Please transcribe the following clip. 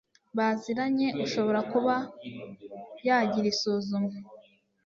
baziranye ushobora kuba yagira isuzuma